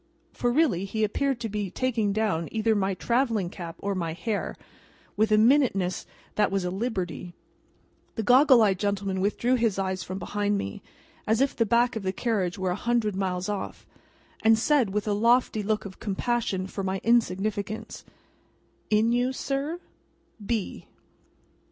For, really, he appeared to be taking down, either my travelling cap or my hair, with a minuteness that was a liberty. The goggle eyed gentleman withdrew his eyes from behind me, as if the back of the carriage were a hundred miles off, and said, with a lofty look of compassion for my insignificance: "In you, sir?